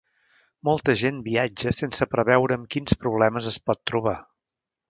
Molta gent viatja sense preveure amb quins problemes es pot trobar.